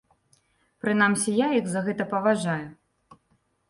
Прынамсі, я іх за гэта паважаю.